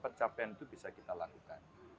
pencapaian itu bisa kita lakukan